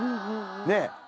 ねえ。